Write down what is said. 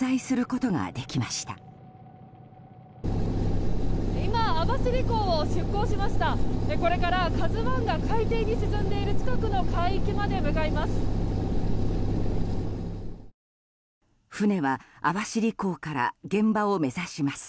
これから「ＫＡＺＵ１」が海底に沈んでいる近くの海域まで向かいます。